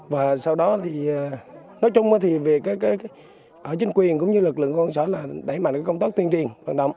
và sau đó thì nói chung thì ở chính quyền cũng như lực lượng công tác tuyên truyền